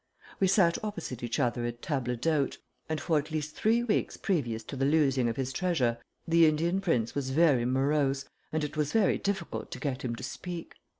We sat opposite each other at table d'hote, and for at least three weeks previous to the losing of his treasure the Indian prince was very morose, and it was very difficult to get him to speak.